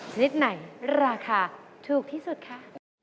ชนิดไหนราคาถูกที่สุดคะ